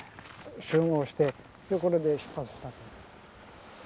集合してこれで出発したと。